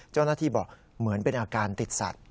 เจ้าหน้าที่บอกเหมือนเป็นอาการติดสัตว